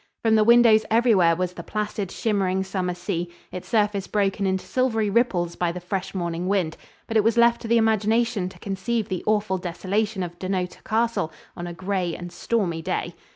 From the windows everywhere was the placid, shimmering summer sea, its surface broken into silvery ripples by the fresh morning wind, but it was left to the imagination to conceive the awful desolation of Dunnottar Castle on a gray and stormy day.